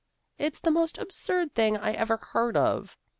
It's the most absurd thing I ever heard of."